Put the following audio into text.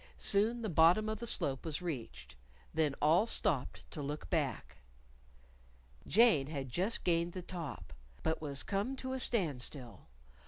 Soon the bottom of the slope was reached. Then all stopped to look back. Jane had just gained the top. But was come to a standstill.